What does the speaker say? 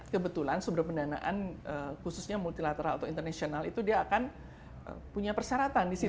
kebetulan sumber pendanaan khususnya multilateral atau internasional itu dia akan punya persyaratan di sini